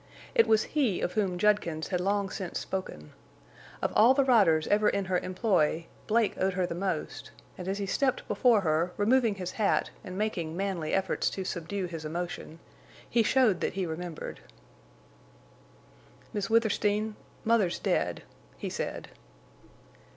It was he of whom Judkins had long since spoken. Of all the riders ever in her employ Blake owed her the most, and as he stepped before her, removing his hat and making manly efforts to subdue his emotion, he showed that he remembered. "Miss Withersteen, mother's dead," he said.